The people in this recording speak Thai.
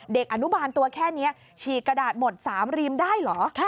เด็กอนุบาลตัวแค่นี้ฉีกกระดาษหมด๓รีมได้เหรอ